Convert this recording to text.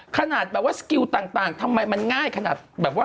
ขนาดสกิลต่างทำไมมันง่ายขนาด